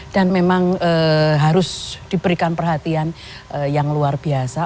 dan memang harus diberikan perhatian yang luar biasa